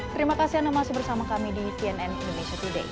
terima kasih anda masih bersama kami di cnn indonesia today